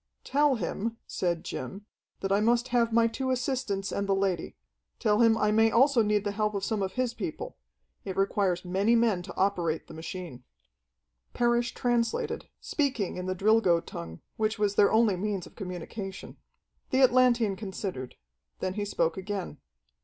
"Tell him," said Jim, "that I must have my two assistants and the lady. Tell him I may also need the help of some of his people. It requires many men to operate the machine." Parrish translated, speaking in the Drilgo tongue, which was their only means of communication. The Atlantean considered. Then he spoke again.